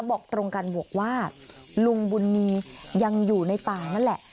บอกตรงกันบอกว่าลุงบุญมียังอยู่ในป่านั่นแหละ